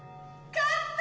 勝った！